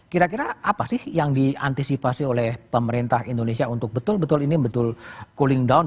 kira kira apa sih yang diantisipasi oleh pemerintah indonesia untuk betul betul ini betul cooling down